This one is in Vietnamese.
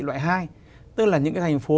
loại hai tức là những cái thành phố